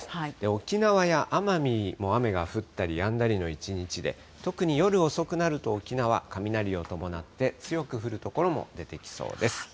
沖縄や奄美も雨が降ったりやんだりの一日で、特に夜遅くなると、沖縄、雷を伴って強く降る所も出てきそうです。